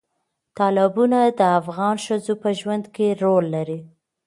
تالابونه د افغان ښځو په ژوند کې رول لري.